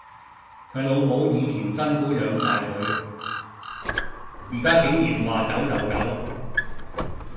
佢老母以前辛苦養大佢，而家竟然話走就走